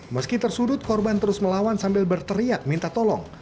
meski tersudut korban terus melawan sambil berteriak minta tolong